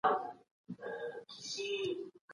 حضوري زده کړه د بدن ژبي بې تمرين سره نه کيږي.